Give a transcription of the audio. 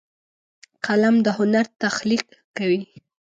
قلم د هنر تخلیق کوي